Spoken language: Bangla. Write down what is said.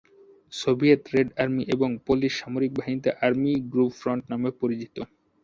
সোভিয়েত রেড আর্মি এবং পোলিশ সামরিক বাহিনীতে আর্মি গ্রুপ ফ্রন্ট নামে পরিচিত।